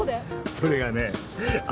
それがね朝。